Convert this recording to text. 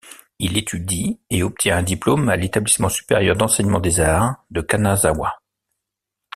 Il étudie et obtient un diplôme à l'établissement supérieur d'enseignement des arts de Kanazawa.